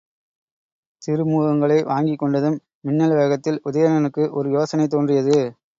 திருமுகங்களை வாங்கிக் கொண்டதும் மின்னல் வேகத்தில் உதயணனுக்கு ஒரு யோசனை தோன்றியது.